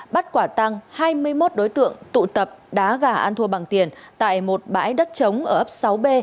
bắt quả tăng hai mươi một đối tượng tụ tập đá gà ăn thua bằng tiền tại một bãi đất trống ở ấp sáu b